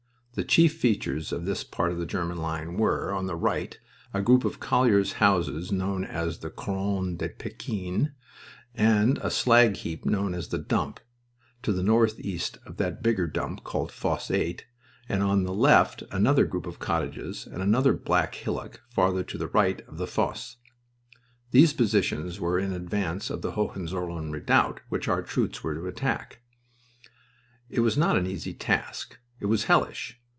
The chief features on this part of the German line were, on the right, a group of colliers' houses known as the Corons de Pekin, and a slag heap known as the Dump, to the northeast of that bigger dump called Fosse 8, and on the left another group of cottages, and another black hillock farther to the right of the Fosse. These positions were in advance of the Hohenzollern redoubt which our troops were to attack. It was not an easy task. It was hellish.